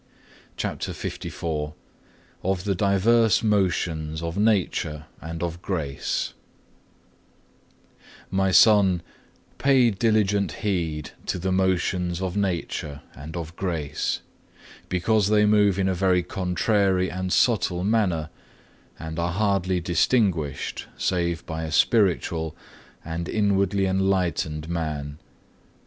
(1) 1 Peter ii. 11. CHAPTER LIV Of the diverse motions of Nature and of Grace "My Son, pay diligent heed to the motions of Nature and of Grace, because they move in a very contrary and subtle manner, and are hardly distinguished save by a spiritual and inwardly enlightened man.